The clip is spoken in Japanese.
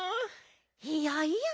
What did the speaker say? いやいや。